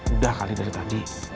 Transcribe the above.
udah kali dari tadi